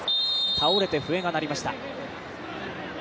倒れて、笛が鳴りました。